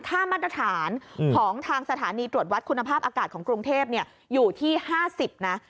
ค่ามาตรฐานของทางสถานีตรวจวัดคุณภาพอากาศของกรุงเทพอยู่ที่๕๐นะ